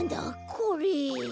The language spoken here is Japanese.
これ。